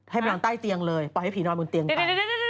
ไปนอนใต้เตียงเลยปล่อยให้ผีนอนบนเตียงไป